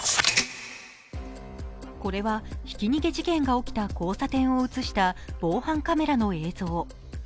これはひき逃げ事件が起きた交差点を映した防犯カメラの映像。